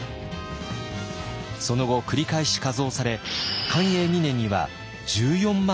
その後繰り返し加増され寛永２年には１４万２，０００石に。